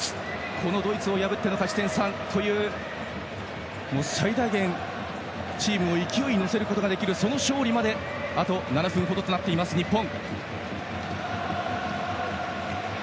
ドイツを破っての勝ち点３という最大限チームを勢いに乗せることができるその勝利まで、あと７分程となっています日本。